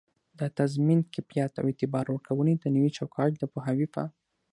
د تضمین کیفیت او اعتبار ورکووني د نوي چوکات د پوهاوي په